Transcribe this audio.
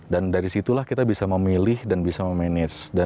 dan dari situlah kita bisa memilih dan bisa memanage